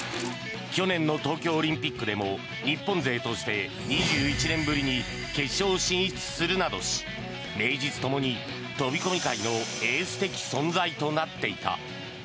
去年の東京オリンピックでも日本勢として２１年ぶりに決勝進出するなどし名実ともに飛込界のエース的存在となっていた。